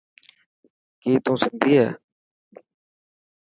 ڪي تون سنڌي هي.